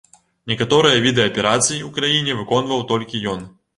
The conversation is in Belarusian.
Некаторыя віды аперацый у краіне выконваў толькі ён.